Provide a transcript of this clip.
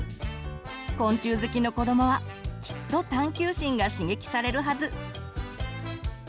昆虫好きの子どもはきっと探求心が刺激されるはず。